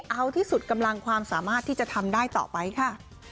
เอาที่สุดกำลังความสามารถที่จะทำได้ต่อไปค่ะ